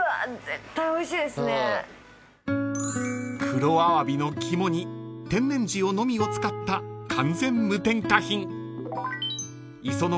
［クロアワビのきもに天然塩のみを使った完全無添加品］